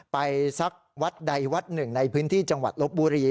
ซักวัดใดวัดหนึ่งในพื้นที่จังหวัดลบบุรี